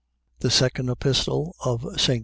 THE SECOND EPISTLE OF ST.